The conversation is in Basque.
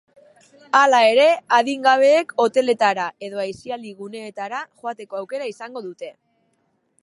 Hala ere, adingabeek hoteletara edo aisialdi guneetara joateko aukera izango dute.